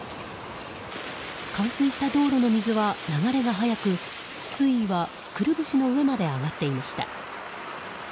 冠水した道路の水は流れが速く水位はくるぶしの上まで上がっていました。